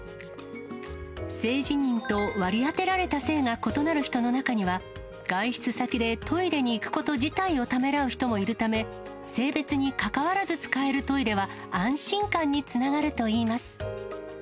性自認と割り当てられた性が異なる人の中には、外出先でトイレに行くこと自体をためらう人もいるため、性別にかかわらず使えるトイレは、安心感につながるといいます。